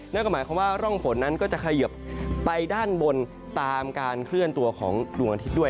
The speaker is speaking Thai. นั่นก็หมายความว่าร่องฝนนั้นก็จะเขยิบไปด้านบนตามการเคลื่อนตัวของดวงอาทิตย์ด้วย